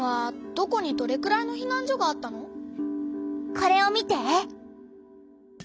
これを見て！